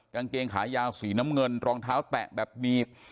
กางเกงขายาวสีน้ำเงินรองเท้าแตะแบบบีบ